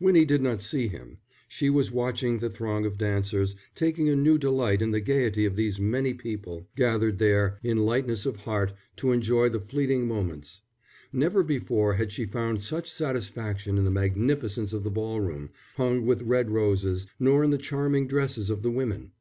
Winnie did not see him. She was watching the throng of dancers, taking a new delight in the gaiety of those many people gathered there in lightness of heart to enjoy the fleeting moments. Never before had she found such satisfaction in the magnificence of the ball room, hung with red roses, nor in the charming dresses of the women.